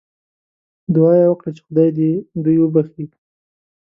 دعا یې وکړه چې خدای دې دوی وبخښي.